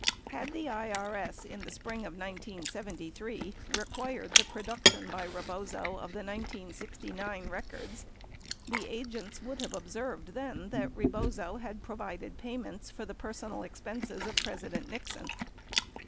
Had the IRS, in the spring of 1973, required the production by Rebozo of the 1969 records, the agents would have observed then that Rebozo had provided payments for the personal expenses of President Nixon.